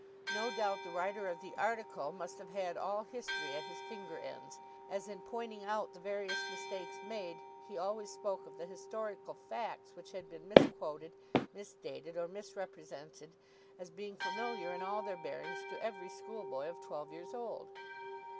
No doubt the writer of the article must have had all history at his finger ends, as in pointing out the various mistakes made he always spoke of the historical facts which had been misquoted, misdated, or misrepresented, as being familiar in all their bearings to every schoolboy of twelve years old.